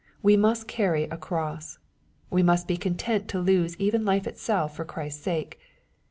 We must carry " a cross.'' We must be content to lose even life itself for Christ's sake.